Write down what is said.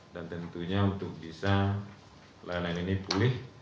dan tentunya untuk bisa layanan ini pulih